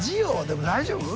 でも大丈夫？